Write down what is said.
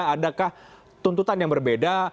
adakah tuntutan yang berbeda